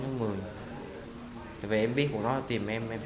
vậy em biết của nó là tìm em em phải mang theo